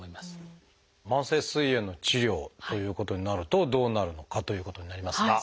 慢性すい炎の治療ということになるとどうなるのかということになりますが。